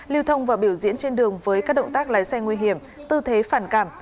lưu thông và biểu diễn trên đường với các động tác lái xe nguy hiểm tư thế phản cảm